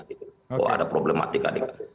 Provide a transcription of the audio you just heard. kalau ada problematika